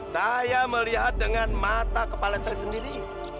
saya melihat dengan mata kepala saya sendiri